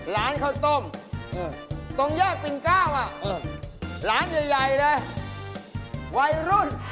ร้านข้าวต้มตรงแยกปิ่นเก้าอ่ะร้านใหญ่เลยวัยรุ่น